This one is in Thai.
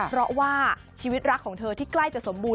เพราะว่าชีวิตรักของเธอที่ใกล้จะสมบูรณ